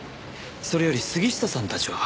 それより杉下さんたちは？